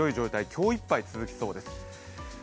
今日いっぱい続きそうです。